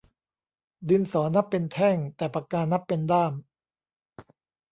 ดินสอนับเป็นแท่ง แต่ปากกานับเป็นด้าม